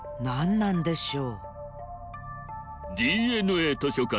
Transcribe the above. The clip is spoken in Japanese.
なんでしょう！